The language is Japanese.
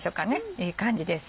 いい感じです